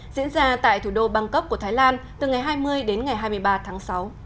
diễn ra tại thủ đô bangkok của thái lan từ ngày hai mươi đến ngày hai mươi ba tháng sáu